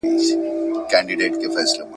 ما به دي په خوب کي مرغلین امېل پېیلی وي ..